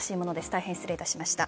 大変失礼しました。